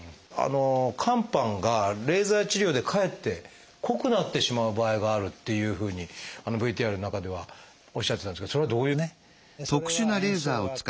肝斑がレーザー治療でかえって濃くなってしまう場合があるっていうふうにＶＴＲの中ではおっしゃってたんですけどそれはどういうことなんでしょうか？